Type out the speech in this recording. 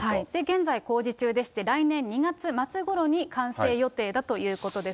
現在工事中でして、来年２月末ごろに完成予定だということです。